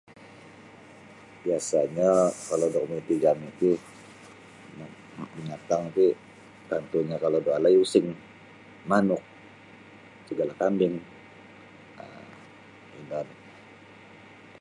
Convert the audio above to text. Biasa'nyo kalau da negri' jami' ti um binatang ti tantu'nyo kalau da walai using manuk sagala kambing um ino oni'.